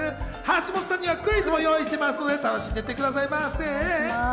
橋本さんにはクイズも用意していますので、楽しんでいってくださいね。